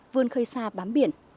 vươn khơi xa bám biển